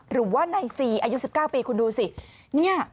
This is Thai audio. หรือว่านายซีอายุสิบเก้าปีคุณดูสิเนี่ย